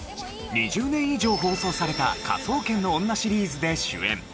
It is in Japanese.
２０年以上放送された『科捜研の女』シリーズで主演